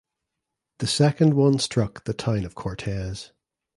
The second one struck the town of Cortez.